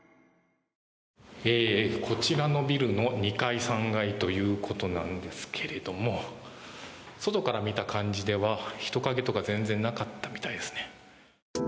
こちらのビルの２階３階ということなんですが外から見た感じでは人影とか全然なかったみたいですね。